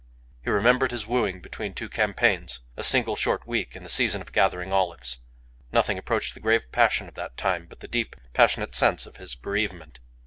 He remembered his wooing between two campaigns, a single short week in the season of gathering olives. Nothing approached the grave passion of that time but the deep, passionate sense of his bereavement.